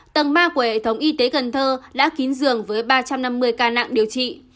tầng ba của hệ thống y tế cần thơ đã kín dường với ba trăm năm mươi ca nặng điều trị